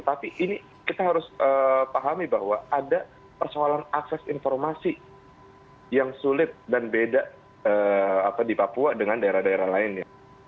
tapi ini kita harus pahami bahwa ada persoalan akses informasi yang sulit dan beda di papua dengan daerah daerah lainnya